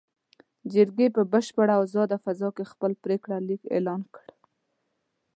جرګې په بشپړه ازاده فضا کې خپل پرېکړه لیک اعلان کړ.